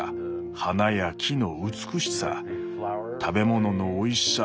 花や木の美しさ食べ物のおいしさ。